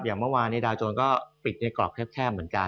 อย่างเมื่อวานนี้ดาวโจรก็ปิดในกรอบแคบเหมือนกัน